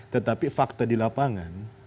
tetapi fakta di lapangan